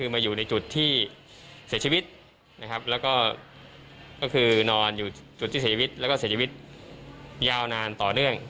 มาอยู่ในจุดที่เสียชีวิตนะครับแล้วก็คือนอนอยู่จุดที่เสียชีวิตแล้วก็เสียชีวิตยาวนานต่อเนื่อง